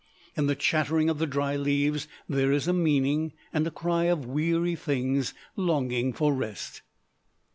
In the chattering of the dry leaves there is a meaning, and a cry of weary things longing for rest.